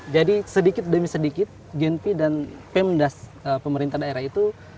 jadi sedikit demi sedikit genpi dan pemdas pemerintah daerah itu